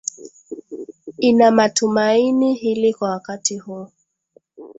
inamatumaini hili kwa wakati huu